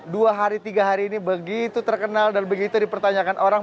dua hari tiga hari ini begitu terkenal dan begitu dipertanyakan orang